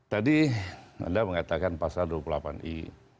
tadi anda mengatakan pasal dua puluh delapan i